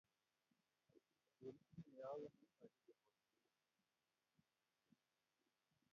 Tun inye awendi aeku kirwngindet